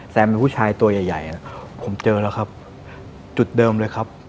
แซมเป็นผู้ชายตัวใหญ่ผมเจอแล้วครับจุดเดิมเลยครับ